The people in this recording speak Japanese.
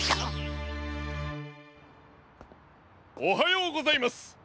おはようございます！